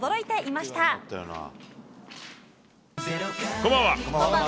こんばんは。